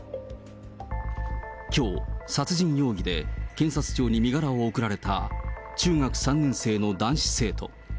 きょう、殺人容疑で検察庁に身柄を送られた中学３年生の男子生徒。